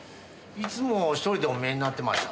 いつも１人でお見えになってました。